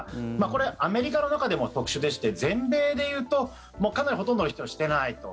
これ、アメリカの中でも特殊でして全米でいうとかなりほとんどの人がしてないと。